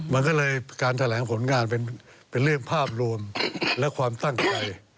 มันก็เลยการแถลงผลงานเป็นเรื่องภาพรวมและความตั้งใจ